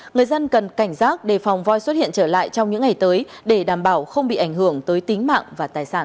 người dân cần cảnh giác đề phòng voi xuất hiện trở lại trong những ngày tới để đảm bảo không bị ảnh hưởng tới tính mạng và tài sản